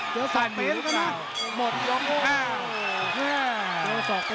มาเลี่ยงมัตต์ขวา